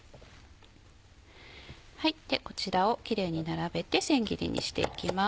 こちらをキレイに並べて千切りにしていきます。